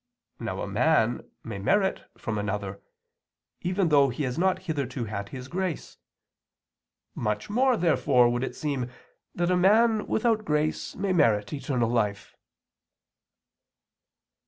Now a man may merit from another, even though he has not hitherto had his grace. Much more, therefore, would it seem that a man without grace may merit eternal life.